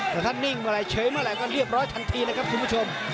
แต่ถ้านิ่งเมื่อไหรเฉยเมื่อไหร่ก็เรียบร้อยทันทีนะครับคุณผู้ชม